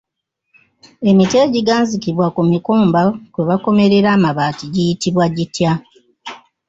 Emiti egiganzikibwa ku mikomba kwe bakomerera amabaati giyitibwa gitya?